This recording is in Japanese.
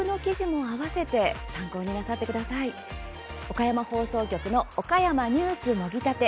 岡山放送局の「岡山ニュースもぎたて！」